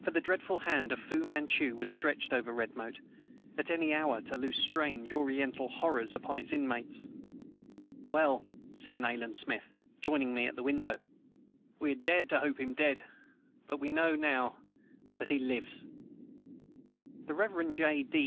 For the deathful hand of Fu Manchu was stretched over Redmoat, at any hour to loose strange, Oriental horrors upon its inmates. "Well," said Nayland Smith, joining me at the window, "we had dared to hope him dead, but we know now that he lives!" The Rev. J. D.